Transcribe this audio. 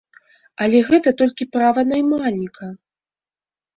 Але гэта толькі права наймальніка!